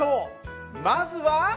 まずは。